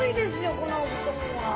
このお布団は。